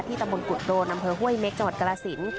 ที่ตำบลกุฎโรนห้วยเม็กจกรสิน